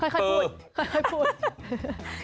ค่อยพูด